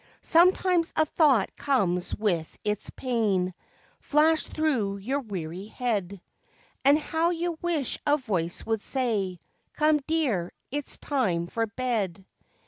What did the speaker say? Sometimes a thought comes with its pain, flashed through your weary head— And how you wish a voice would say— "Come, dear, it's time for bed.